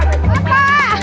kau buat apa